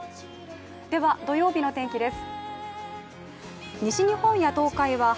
では土曜日の天気です。